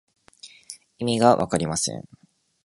意味がわかりません。